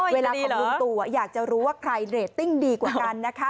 เวลาของลุงตูอยากจะรู้ว่าใครเตรียมน้ำกันได้กว่ากัน